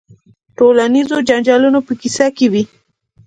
د ټولنیزو جنجالونو په کیسه کې وي.